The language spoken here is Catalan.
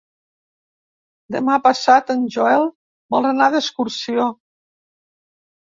Demà passat en Joel vol anar d'excursió.